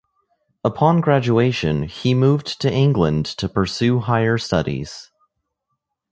Upon graduation, he moved to England to pursue higher studies.